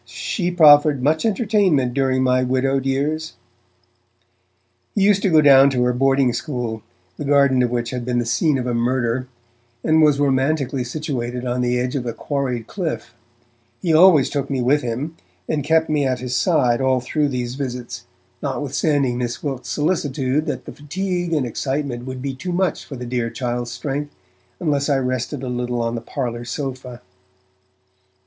she proffered much entertainment during my widowed years!' He used to go down to her boarding school, the garden of which had been the scene of a murder, and was romantically situated on the edge of a quarried cliff; he always took me with him, and kept me at his side all through these visits, notwithstanding Miss Wilkes' solicitude that the fatigue and excitement would be too much for the dear child's strength, unless I rested a little on the parlour sofa.